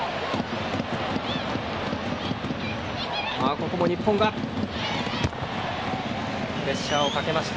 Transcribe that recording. ここも日本がプレッシャーをかけました。